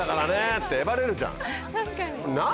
ってえばれるじゃん。